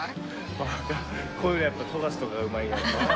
分からん、こういうのやっぱり、富樫とかがうまいので。